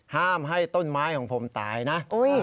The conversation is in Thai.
ห้ามให้ต้นไม้ของผมตายนะ